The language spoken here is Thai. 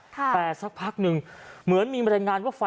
แต่สักพักหนึ่งเหมือนมีบรรยายงานว่าไฟ